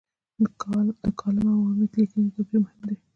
د کالم او عامې لیکنې توپیر مهم دی.